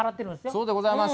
そうでございます。